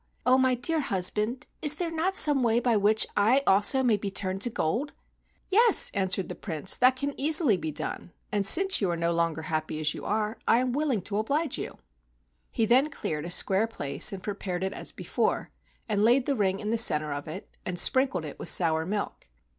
Oh, my dear husband! Is there not some way by which I also may be turned to gold ?" "Yes," answered the Prince, "that can easily be done; and since it seems you are no longer happy as you are, I am willing to oblige you." 42 AN EAST INDIAN STORY He then cleared a square place and prepared it as before, and laid the ring in the center of it and sprinkled it with sour milk."